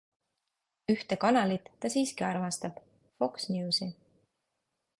Ühte kanalit ta siiski armastab - Fox Newsi.